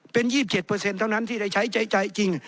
เป็น๒๗เท่านั้นที่ได้ใช้ใช้ใจจริง